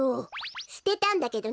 すてたんだけどね！